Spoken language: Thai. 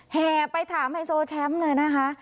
แห่ไปถามไฮโซแชมป์เลยนะคะ